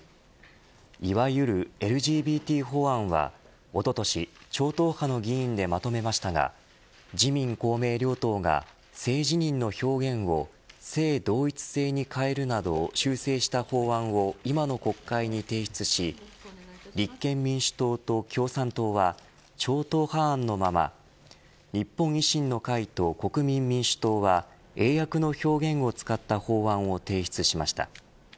いわゆるＬＧＢＴ法案はおととし、超党派の議員がまとめましたが自民・公明両党が性自認の表現を性同一性に変えるなど修正した法案を今の国会に提出し立憲民主党と共産党は超党派案のまま日本維新の会と国民民主党は英訳の表現を使った法案を提出しました。